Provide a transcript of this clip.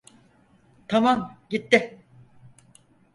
Tamam, gitti.